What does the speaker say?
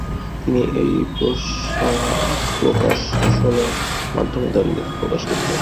তিনি এই প্রকাশনার মাধ্যমে তার লেখা প্রকাশ করতেন।